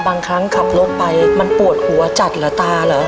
บางครั้งขับรถไปมันปวดหัวจัดเหรอตาเหรอ